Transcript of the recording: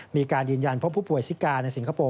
มีการยืนยันพบผู้ป่วยซิกาในสิงคโปร์